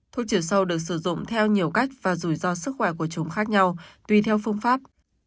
thuốc trừ sâu được sử dụng theo nhiều cách và rủi ro sức khỏe của chúng khác nhau tùy theo phương pháp